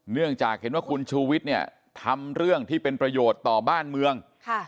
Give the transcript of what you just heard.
เนื่องจากเห็นว่าคุณชูวิทย์เนี่ยทำเรื่องที่เป็นประโยชน์ต่อบ้านเมือง